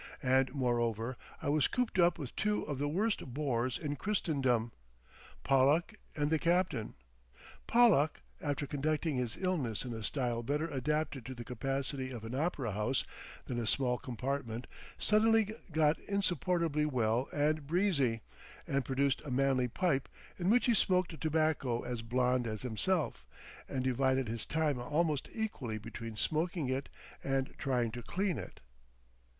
And, moreover, I was cooped up with two of the worst bores in Christendom, Pollack and the captain. Pollack, after conducting his illness in a style better adapted to the capacity of an opera house than a small compartment, suddenly got insupportably well and breezy, and produced a manly pipe in which he smoked a tobacco as blond as himself, and divided his time almost equally between smoking it and trying to clean it.